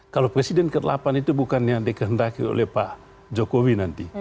kalau presiden ke delapan itu bukan yang dikehendaki oleh pak jokowi nanti